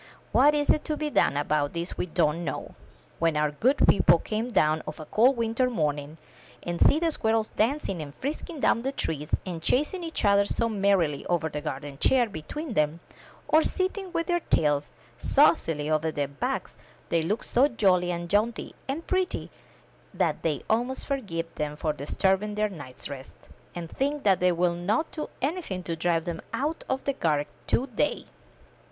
What is to be done about this we don't know. When our good people come down of a cold winter morning, and see the squirrels dancing and frisking down the trees, and chasing each other so merrily over the garden chair between them, or sitting with their tails saucily over their backs, they look so jolly and jaunty and pretty that they almost forgive them for disturbing their night's rest, and think that they will not do anything to drive them out of the garret to day.